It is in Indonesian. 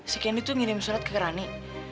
si candy tuh ngirim surat ke rani